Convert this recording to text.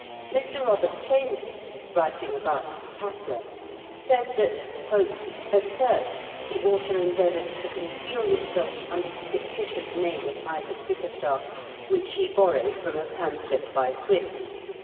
Mr. Robert Chambers, writing about The Tatler, says that " at first, the author endeavoured to conceal himself under the fictitious name of Isaac Bickerstaflf, which he WHO WAS I8AAG BIGKEBSTAFF? 221 borrowed from a pamphlet by Swift."